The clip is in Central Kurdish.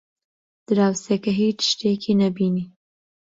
دراوسێکە هیچ شتێکی نەبینی.